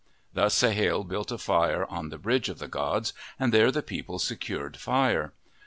Thus Sahale built a fire on the bridge of the gods, and there the people secured fire.